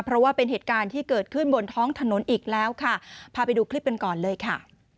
เพราะว่าเป็นเหตุการณ์ที่เกิดขึ้นบนท้องถนนอีกแล้วค่ะพาไปดูคลิปกันก่อนเลยค่ะ